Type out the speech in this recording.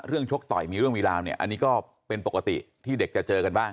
ชกต่อยมีเรื่องมีราวเนี่ยอันนี้ก็เป็นปกติที่เด็กจะเจอกันบ้าง